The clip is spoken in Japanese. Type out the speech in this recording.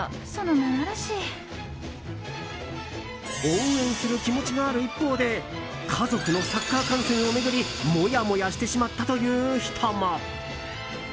応援する気持ちがある一方で家族のサッカー観戦を巡りモヤモヤしてしまったという人も。